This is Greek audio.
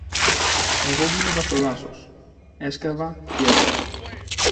Εγώ δούλευα στο δάσος, έσκαβα κι έβγαζα.